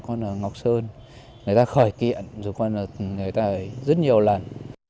con ở ngọc sơn người ta khởi kiện người ta ở rất nhiều lần